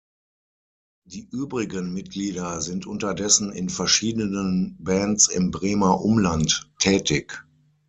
Die übrigen Mitglieder sind unterdessen in verschiedenen Bands im Bremer Umland tätig.